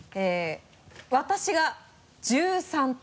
私が１３点。